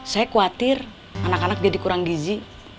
saya khawatir anak anak jadi kurang gizi